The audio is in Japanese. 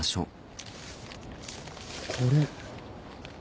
これ。